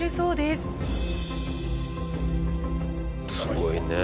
すごいね。